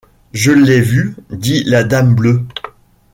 Je l’ai vu, dit la dame bleue.